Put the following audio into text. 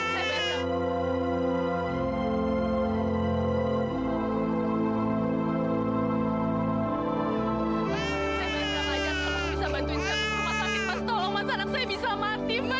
saya harus tahu dulu kondisi bayi ini sebelum terjatuh seperti apa